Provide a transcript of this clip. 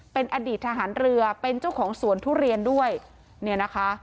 เป็นอดีตทหารเรือเป็นเจ้าของสวนทุเรียนด้วยเนี่ยนะคะ